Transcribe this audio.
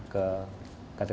ke ktt g dua puluh pada kali ini